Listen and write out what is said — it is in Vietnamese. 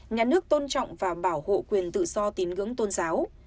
nhà nước tôn trọng và bảo hộ quyền tự do tín ngưỡng tôn giáo